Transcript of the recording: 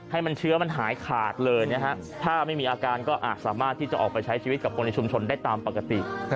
ให้มันเชื้อมันหายขาดเลยนะฮะถ้าไม่มีอาการก็อาจสามารถที่จะออกไปใช้ชีวิตกับคนในชุมชนได้ตามปกติ